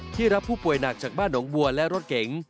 รับผู้ป่วยหนักจากบ้านหนองบัวและรถเก๋ง